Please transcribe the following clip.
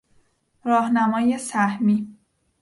راهنمای سهمی